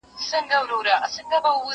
تاسو چي ول احمد به بالا ملامت نه وي